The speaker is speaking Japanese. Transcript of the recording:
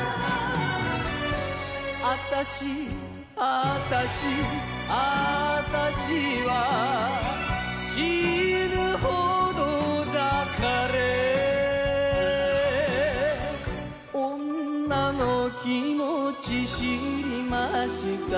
あたしあたしあたしは死ぬほど抱かれ女の気持ち知りました